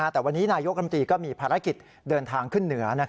แต่วันนี้นายกรมตรีก็มีภารกิจเดินทางขึ้นเหนือ